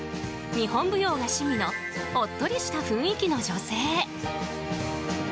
日本舞踊が趣味のおっとりした雰囲気の女性。